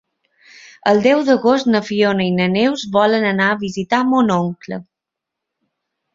El deu d'agost na Fiona i na Neus volen anar a visitar mon oncle.